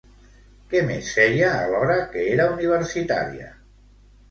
Què més feia, alhora que era universitària?